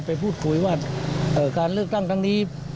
ไปพูดคุยว่าการเลือกตั้งครั้งนี้